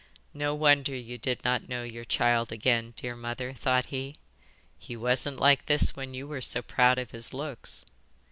'No wonder you did not know your child again, dear mother,' thought he; 'he wasn't like this when you were so proud of his looks.